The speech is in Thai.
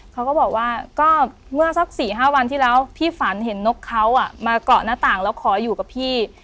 เขาก็บอกว่าก็เมื่อสัก๔๕วันที่แล้วพี่ฝันเห็นนกเขามาเกาะหน้าต่างแล้วขออยู่กับพี่